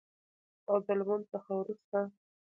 او د لمونځ څخه وروسته